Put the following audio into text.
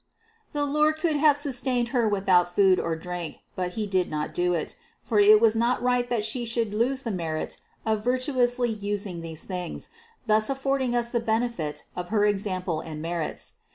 The Lord could have sustained Her without food or drink, 454 CITY OF GOD but He did not do it ; for it was not right that She should lose the merit of virtuously using these things, thus af fording us the benefit of her example and merits.